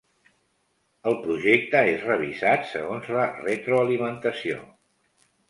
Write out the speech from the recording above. El projecte és revisat segons la retroalimentació.